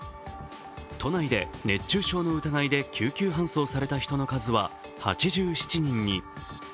都内で熱中症の疑いで救急搬送された人の数は８７人に。